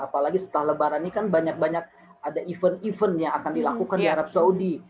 apalagi setelah lebaran ini kan banyak banyak ada event event yang akan dilakukan di arab saudi